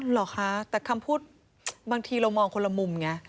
เหรอคะแต่คำพูดบางทีเรามองคนละมุมไง